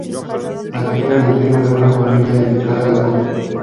Nació en el seno de una familia dedicada a la música.